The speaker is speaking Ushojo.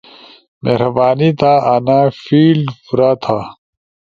مہربانی تھا انا فیلڈ پورا تھا۔